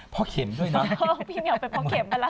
พ่อเข็มด้วยนะ